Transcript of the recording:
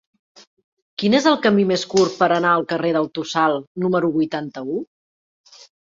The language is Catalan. Quin és el camí més curt per anar al carrer del Tossal número vuitanta-u?